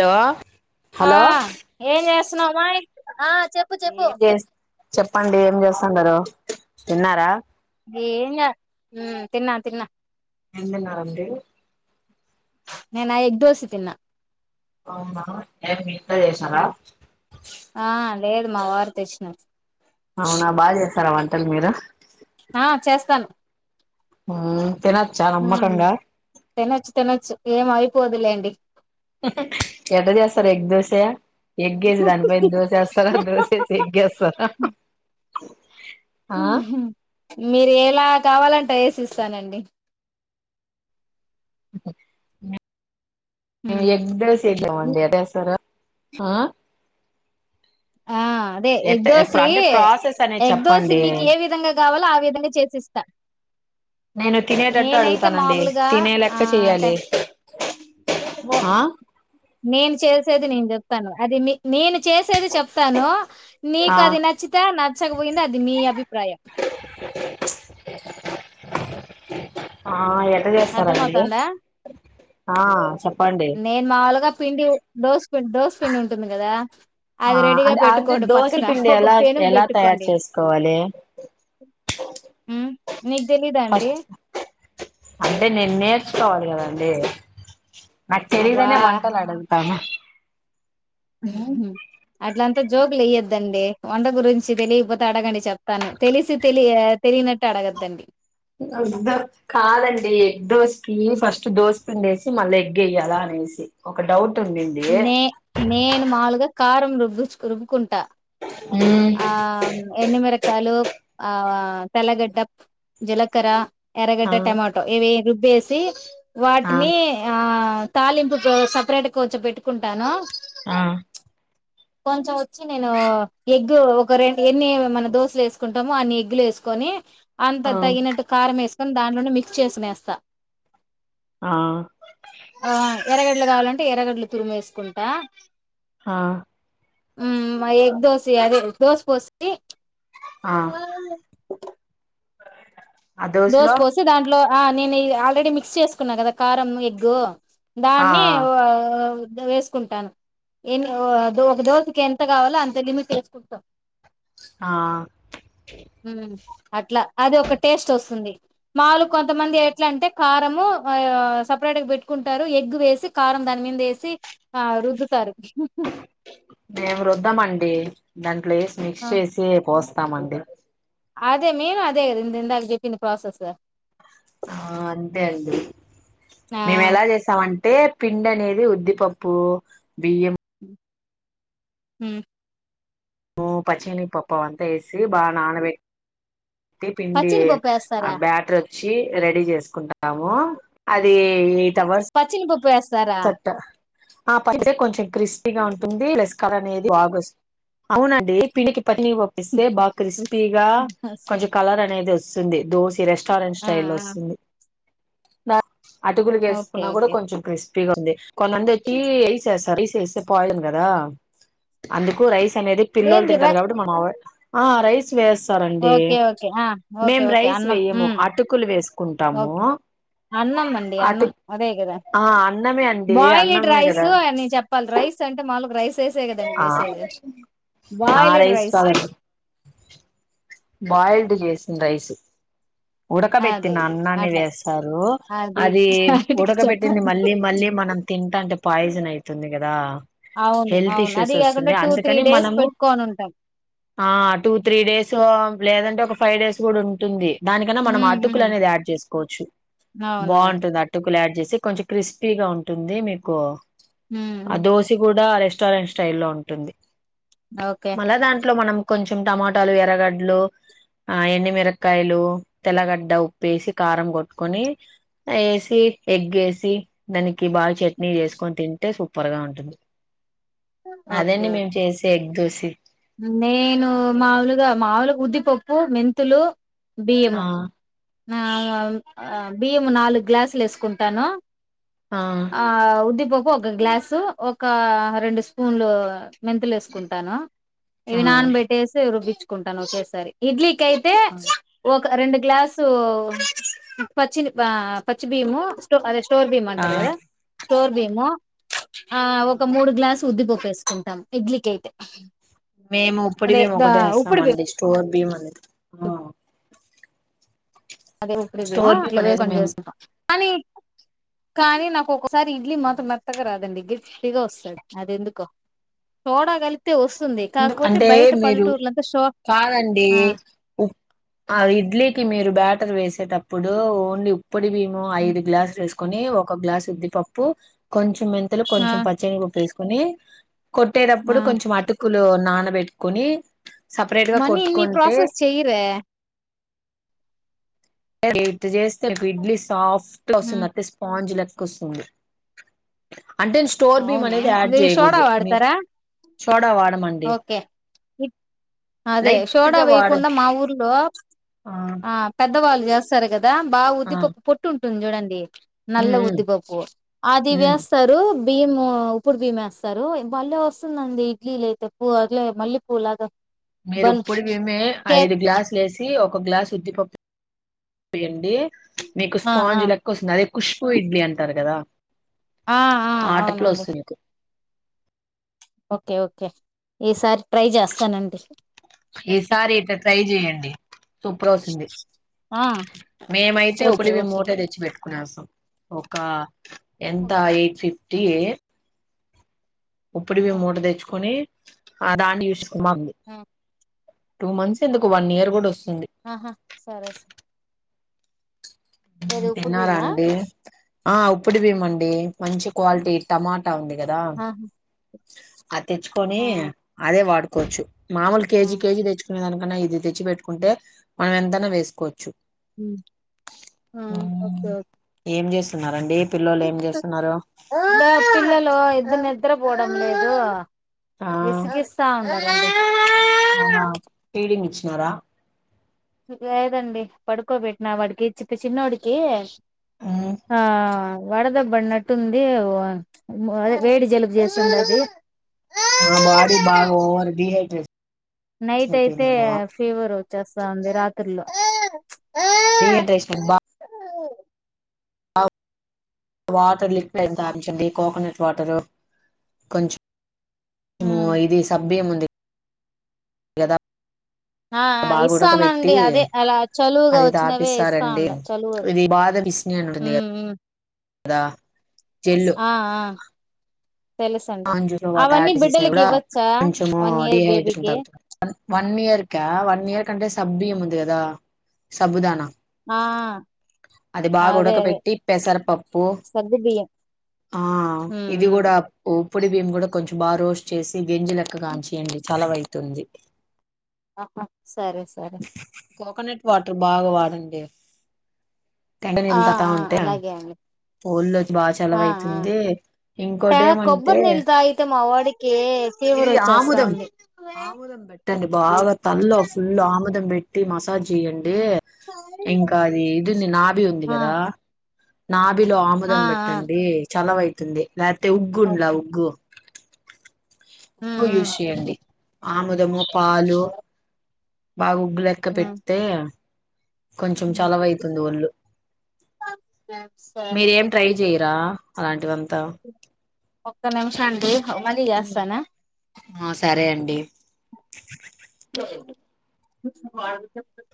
Hello ఆ hello ఏం చేస్తున్నవు అమ్మాయి చెప్పు చెప్పు ఏం చేస్ చెప్పండి ఏం చేస్తున్నరు తిన్నారా ఏం ఇగ తిన్నా తిన్నా ఎం తిన్నారండి నేన ఎగ్ దోస తిన్నా అవునా ఏ మీగాతాయి చేసారా ఆ లేదు మా వారు తెచ్చినరూ అవునా బాగా చేస్తార వంటలు మీరు ఆ చేస్తాను తినోచ్చా ఉమ్ నామ్మకంగా తినొచ్చు తినొచ్చు ఏం అయిపోదులేండి ఎట్ట చేస్తారు ఎగ్ దోస ఎగ్గేసి దానిపైన దోసేస్తారా దోసేసి ఎగ్గేస్తారా మీరు ఎలా కావాలంటే ఏసి ఇస్తానండి ఎగ్ దోస ఏషమండి ఎట్ల ఏస్తారు ఆ ఆ అదే ఎట్ట ఇప్పుడు ఎగ్దోషి అంటే ప్రాసెస్ అనేది ఎగ్దోశ చెప్పండి మీకు ఏ విధంగా కావాలో ఆ విధంగా చేసిస్తా నేను తినేటట్టు నేనైతే అడుగుతానండి మామూలుగా తినే లెక్క ఆ చెయాలి నేను చేస్త చేసేది నేను చెప్తాను. అది నేను చేసేది చెప్తాను నీకు ఆ అది నచ్చితే నచ్చపోయింది. అది మీ అభిప్రాయం ఆ ఎట్ట చేస్తారండి అర్థమవుతుందా ఆ చెప్ నేను మాముూలుగా పిండి దస పిండి దొసపిండి ఉంటుంది కదా ఆ అది రెడీగా అంటే అంటే పెట్టుకోడు దోశ పక్కన పిండి ఒక ఎలా పెేనుం ఎలా తయారు పెట్టుకోండి చేసుకోవాలి హ్ ఫస్ట్ అంటే నేను నేర్చుకోవాలి కదండి నాకు అబ్బా తెలియాదనే వంటలు అడుగుతాన్న అట్లంతా జోకులు వేయ్యొద్దండి వంట గురించి తెలియకపోతే అడగండి చెప్తాను తెలిసి తెలి తెలియనట్టు అడగద్దండి. కాదండి ఎగ్ దోసికి ఫస్ట్ దోశపిండేసి మళ్ళీ ఎగ్ ఏయ్యాలా అనీ అనేసి ఒక డౌట్ ఉండింది నే నేను మాములుగా కారం రుబ్బు రుబ్బుచ్చు కుంటా ఆ ఎన్ని మిరప కాయలు ఆ తెల్లగడ్డ జీలకర్ర ఆ ఎర్రగడ్డ టమాటో ఇవి ఏసీ వేసి ఆ వాటిని ఆ తాలింపు కు సపరేట్గా కొంచెం పెట్టుకుంటాను ఆ కొంచెం వచ్చి నేను ఎగ్గు ఒక రెండు ఎన్ని మనము దోశలు వేసుకుంటామో అన్ని ఎగ్గులు ఏసుకో నీ ఆ అంత తగినట్టు కారం వేసుకొని దాంట్లోనే మిక్స్ చేసుకునేస్తా ఆ ఎర్రగడ్లు కావాలంటే ఎర్రగడ్లు తురీమీ వేసుకుంటా ఆ హ్ ఆ ఎగ్ దోశ అదే దోశ పోసి ఆ ఆ దోస దోశలో పోసి దాంట్లో ఆ నేను ఆల్రెడీ మిక్స్ చేసుకున్నా కదా కారం ఎగ్ ఆ దాన్ని వేసుకుంటాను ఏమి ఒక దోజకి ఎంత కావాలో అంత లిమిటు ఏసుకుంటాం ఆ అట్లా అది ఒక టేస్ట్ వస్తుంది మాములు కొంతమంది ఎట్లా అంటే కా రము సపరేట్ గా పెట్టుకుంటారు ఎగ్ వేసి కారం దాని మీద వేసి ఆ రుద్దుతారు మేము రుద్దమండి దాంట్లో ఎసి మిక్స్ చేసి పోస్ స్తామండి అదే నేను అదే కదా ఇ ఇందాక చెప్పింది ప్రాసెస్ ఆ అంతే అండి ఆ మేము ఎలా చేసామంటే పిండి అనేది ఉద్దిపప్పు బియ్యం ఉ పచ్చని పప్పు అంతా వేసి బాగా నానబేట్ పిండి పచ్చిని పప్పు ఆ వేస్తారా బ్యాటర్ చ్చి రెడీ చేసుకుంటాము అది పచ్చిని పప్పు వేస్త సట్ట ఆ పచ్చే కొంచెం క్రిస్పీగా ఉంటుంది ప్లస్ కలర్ అనేది బాగ వస్తుం అవునండి పిండికి పనీ ఓప్పిస్తే బాగా క్రిస్పీగా కొంచెం కలర్ అనేది వస్తుంది దోసి రెస్ స్టారెంట్ ఆ స్టైల్ ఆ వస్తుంది అటుకులు ఓకే వేసుకున్నా కూడా ఓకే కొంచెం క్రిస్పీ ఉంది కొంతంది వచ్చి రైస్ వేస్తరు రైస్ ఎస్తే పాయిజన్ కదా అందుకు రై అనేది పిల్లోలు అదేంది ర తింటారు కాబట్టి మన అవే రైస్ వేస్తరండి ఓకే ఓకే ఆ ఓకే మేము ఓకే రైస్ అన్నం వేయము ఉమ్ అటుకులు వే కుంటాము ఓకే అన్నం అండి అన్నం అటుకు అదే కదా ఆ అన్నమే అండి బాయిల్డ్ అన్నమే కద రైస్ అని చెప్పాలి రైస్ అంటే మాములుగా రైస్ వేసే కదండి ఆ చేసేది ఆ రైస్ కాద బాయిల్డ్ చేసిన రైసు అదే ఉడకబెట్టిన ఇది అన్నన్ని అట్లా వేస్తారు అది క్లారిటీగా ఉడకబెట్టింది చెప్పండి మళ్ళీ మళ్ళీ మన మనం తింటాంటే పాయిజన్ అయితుంది కదా అవును హెల్త్ అవును ఇష్యూస్ అది కాకుండా వస్తుంది టూ త్రీ అందుకని డేస్ మనము పెట్టుకొని ఉంటాం ఆ టూ త్రీ డేస్ లేదంటే ఒక ఫైవ్ డేస్ కూడా ఉంటుంది దానికన్నా మనం ఉమ్ అటుకులు ఉమ్ అనేది యాడ్ చేసుకోవచ్చు అవునవును బాగుంటుంది అటుకులు యాడ్ చేసి కొంచెం క్రిస్పీగా ఉంటుంది మీకు ఆ ఉమ్ దోశ కూడా రెస్టారెంట్ స్టైల్లో ఉంటుంది ఓకే మళ్ళ దాంట్లో మనం కొంచెం టమాటాలు ఎర్రగడ్లు ఆ ఎండుమిరకాయలు తెల్లగడ్డ ఉప్పేసి కారం కొట్టుకొని వేసి ఎగ్ వేసి దాని బాగా చట్నీ వేసుకొని తింటే సూపర్ గా ఉంటుంది ఓకే అదండి మేము ఓకే చేసే ఎగ్ దొసి నేను మాములుగా మాములుగా ఉద్దిపప్పు మెంతులు ఆ బియ్యము ఆ బియ్యము నాలుగు గ్లాసులు వేసుకుంటాను ఆ ఉద్దిపప్పు ఒక గ్లాసు ఒక రెండు స్పూన్లు మెంతులు వేసుకుంటాను ఆ ఇవి నాన పెట్టేసి రుబ్బించుకుంటాను ఒకేసారి ఇడ్లీ కైతే ఒక రెండు గ్లాస్ సో పచ్చి పచ్చి బీయము స్టో అదే స్టోర్ బీయము ఆ అంటారు కదా స్టోర్ బీయము ఆ ఒక మూడు గ్లాస్ ఉద్దిపప్పు వేసుకుంటాం ఇడ్లికైతే మేము ఉప్పుడి బియ్యం ఒకటే ఏస్తామండి స్టోర్ బీయమ్ అనే స అదే ఇప్పుడిది స్టోర్ బియ్యం అట్లా అనేది వేసుకొని మేము చేసుకుంటా ప్చ్ ఒకసారి ఇడ్లీ మాత్రం మెత్తగా రాదండి గట్టిగా వస్సది అది ఎందుకో సోడా కలిపి తే వస్సుంది ఎందుకు కాకపోతే అంటే బయట మీరు పల్లెటూరులంతా షో కాదండి ఆ ఆ ఇడ్లీకి మీరు బ్యాటర్ వేసేటప్పుడు ఓన్లీ ఉప్పుడి బియ్యము ఐదు గ్లాసులు వేస్క్ కొని ఒక గ్లాస్ ఉద్దిపప్పు కొంచెం మెంతులు ఆ కొంచెం పచ్చెనిపప్పు వేసుకుని కొట్టేటప్పుడు ఆ కొంచెం అటుకులు నానబెట్టుకుని సపరేట్ గా మనీ ఇన్ని కొట్టుకుంటే ప్రాసెస్ చెయ్యరే రేపు ఇట చేస్తే రేపు ఇడ్లీ సాఫ్ట్ గా వస్తుంది హ్మ్. అయితే స్పాంజ్ లా కో వస్సుంది అంటే స్టోర్ బియ్యము అవునా అనేది యాడ్ మీరు సోడా చేయకూడదు మీ వాడతారా సోడా వాడమండి ఓకే ఇప్ అదే లైట్ షోడా గా వాడ వేయకుండా మా ఊర్లో ఆ పెద్దవాళ్ళు చేస్తారు కదా బాగా ఆ ఉద్దిపప్పు పొట్టు ఉంటుంది చూడండి ఉమ్ నల్ల ఉమ్ ఉద్దిపప్పు ఆది ఉమ్ వేస్తారు బియ్యము ఉప్పుడు బియ్యము వేస్తారు బళ్ళే వస్సుందండి. ఇడ్లీలు అయితే పూవ్ అట్లే మల్లె పూవ్ లాగా మీరు ఇప్పుడి బియ్యమే ఐదు గ్లాసులు వేసి ఓ ఒక గ్లాస్ ఉద్దిపప్పు వేయ్యండి. ప్చ్ మీకు ఆ ఆ స్పాంజ్ లెక్క వస్తుంది అదే కుష్బూ ఇడ్లీ అంటారు కదా ఆ ఆ ఆటకులో అవునండి వస్సుంది మీకు ఓకే ఓకే ఈసారి ట్రై చేస్తానండి. ఈసారి ఇట ట్రై చెయ్యండి సూపర్ వస్సుంది ఆ మేమైతే ఓకే ఉప్పడి బియ్యం ఓకే మూటే తెచ్చి పెట్టుకునే స్సాం ఒక ఎంత ఓకే ఎయిట్ ఫిఫ్టీ ఎ ఉప్పుడి ఆ బియ్యం మూట తెచ్చుకొని ఆ దాన్ని చూసేస్కోని మాగ్గ్ ఆ టూ మంత్స్ ఎందుకు వన్ ఇయర్ కూడా వొస్ ఆహా సరే సా మ్మ్ తిన్నారా మేమా అండి ఆ ఉప్పుడి బియ్యము అండి మంచి క్వాలిటీ టమాటా ఉంది. కదా ఆహా అది తెచ్చుకొని ఆ అదే వాడుకోవచ్చు మామూలు ఆ కేజీ కేజీ తెచ్చుకునే దానికి నన్నా ఇది తెచ్చిపెట్టుకుంటే మనం ఎంతనా వేసుకోవచ్చు హ్మ్ ఆ ఓకే ఓకే తిన్నారండి ఇదో పిల్లలు ఇద్దరు నిద్రపోవడం లేదు. ఆ విస్సిగిస్తావుంటారు ఇద్దరు చిన్నోడా లేదండి పడుకోబెట్టినా వాడికి చెప్పి చిన్నోడికి ఆ వడదెబ్బ అన్నట్టుంది. వ ప్చ్ మ్ అదే వేడి జలుబు చేస్తుంది. అది నా బాడీ బాగా ఓవర్ డిహైడ్రేషన్ నైట్ అయితే అయిపోయిందను ఫీవర్ వచ్చేస్తాంది రాత్రిలో ప్చ్ డిహైడ్రేషన్ బా అ వాటర్ లిక్విడ్ అయి తాగిపించండి కోకోనట్ వాటరు కొంచ్ ము ఉమ్ ఇది సబియ్యముంది గదా ఆ ఆ ఇస్సానండి అదే అలా చలువుగా అది వచ్చినవే తాపిస్తారండి ఇస్సాండా చలువు ఇది మ్ మ్మ్ అదా అ ఆ [inaudible] తెలుసండి అవన్నీ బిడ్డలకి ఇవ్వచ్చా కొంచము వన్ ఇయర్ డిహైడ్రేషన్ బేబీకి తగ్గుతుంది ఇక్క వన్ ఇయర్ కంటే సబ్ బియ్యం ఉంది కదా సబ్బుదానా ఆ అది బాగా అదే ఉడక అదే బేట్టి పెసరపఅప్పు సగ్గు బియ్యం ఆ ఉమ్ ఇది ఉమ్ గూడా ఉప్పుొడి బియ్యం కూడా కొంచెం బాగా రోస్ట్ చేసి గింజ లెక్క కాంచేయఅండి చాలవైటు ఉంది ఆహా సరే సరే కోకోనేట్ వాటర్ బాగా వాడ అండి తేండ ఆ నీళ్ళ తగుతా ఆ ఉంటే అలాగే అండి పోల్లోకి బాగా ఆ చెలవైతు ఆ ఉంది ట ఇంకోటి ఏమంట్ కొబ్బరి నీళ్ళు తాగితే మా వాడికి ఏ ఫీవర్ వచ్చేస్తా ఉంది ఆముోదం పెట్ట అండి బాగా తల్లో ఫుల్ ఆముదం పెట్ పెట్టి మసాజ్ చెయ్యఅండి ఇంకా అది ఇది నుంది నాబి ఉంది ఆ కదా నాబిలో ఆ ఆముదం పెట్ట ఆ అండి చలవైతు ఉంది లేకపోతే ఉగ్గుం ఉండ్లా ఓకే గూ ఉ్గు ఉమ్ ఉమ్ యూజ్ చేయఅండి ఆముదము పాలు బాగా ఉగ్గు లెక్క పెడ్తే కొంచెం ఉమ్ చలవవుయితు ఉమ్. ఉంది ఒళ్ళు సరే మీరేం ట్రై చెయరా అలాంటి వంతా ఒక్క నిమిషం అండి ఓ మళ్లీ చేస్తఅన్నా ఆ సరే అండి అ